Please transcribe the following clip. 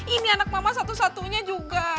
ini anak mama satu satunya juga